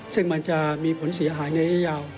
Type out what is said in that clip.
ซึ่งมันจะมีผลเสียหายในระยะยาว